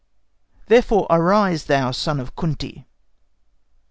...... Therefore arise, thou Son of Kunti!